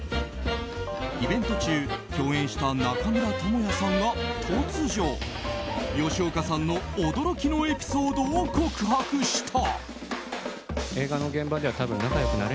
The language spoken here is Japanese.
イベント中、共演した中村倫也さんが突如吉岡さんの驚きのエピソードを告白した。